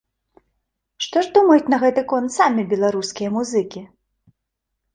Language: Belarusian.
Што ж думаюць на гэты конт самі беларускія музыкі?